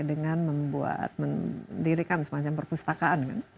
dengan membuat mendirikan semacam perpustakaan kan